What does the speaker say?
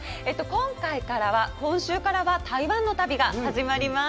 今回からは、今週からは台湾の旅が始まります。